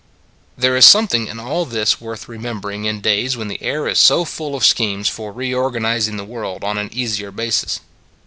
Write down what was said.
There is something in all this worth re membering in days when the air is so full of schemes for reorganizing the world on an easier basis.